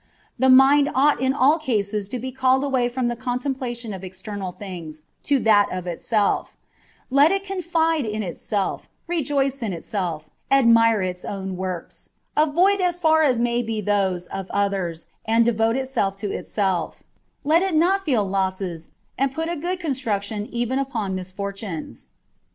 The mind ought in all cases to be called away from the contemplation of external things to that of itself : let it confide in itself, rejoice in itself, admire its own works ; avoid as far as may be those of others, and devote itself to itself ; let it not feel losses, and put a good construction even upon misfortunes.